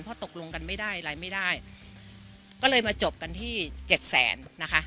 เพราะตกลงกันไม่ได้อะไรไม่ได้ก็เลยมาจบกันที่เจ็ดแสนนะคะ